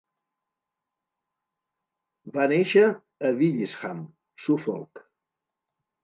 Va néixer a Willisham, Suffolk.